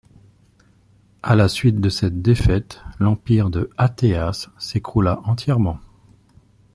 À la suite de cette défaite, l'empire de Ateas s'écroula entièrement.